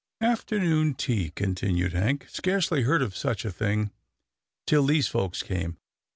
" Afternoon tea," continued Hank. " Scarcely heard of such a thing till these folks came.